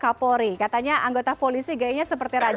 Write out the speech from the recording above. kapolri katanya anggota polisi kayaknya seperti raja